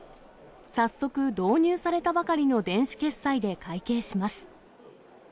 早速、導入されたばかりの電子決済で会計します。